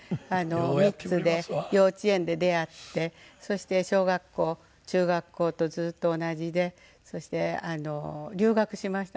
３つで幼稚園で出会ってそして小学校中学校とずっと同じでそして留学しましたので。